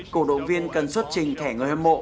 cổ động viên cần xuất trình thẻ người hâm mộ